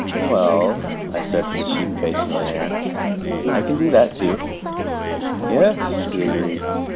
"Well," I said to the sheep faced millionaire, "I can do that, too." "Yes," he agreed.